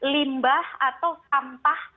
limbah atau sampah